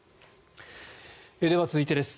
では続いてです。